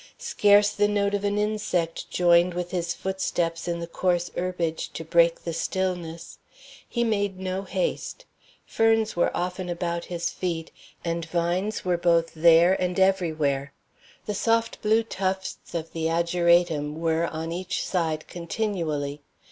Scarce the note of an insect joined with his footsteps in the coarse herbage to break the stillness. He made no haste. Ferns were often about his feet, and vines were both there and everywhere. The soft blue tufts of the ageratum were on each side continually.